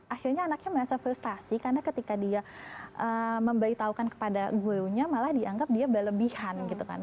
akhirnya anaknya merasa frustasi karena ketika dia memberitahukan kepada gurunya malah dianggap dia berlebihan gitu kan